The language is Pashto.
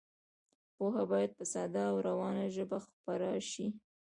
پوهه باید په ساده او روانه ژبه خپره شي.